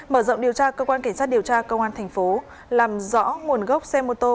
mở rộng điều tra cơ quan cảnh sát điều tra công an thành phố làm rõ nguồn gốc xe mô tô